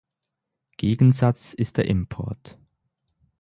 Gegensatz ist der Import.